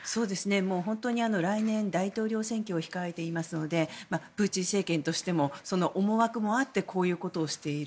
本当に来年大統領選挙を控えていますのでプーチン政権としてもその思惑もあってこういうことをしている。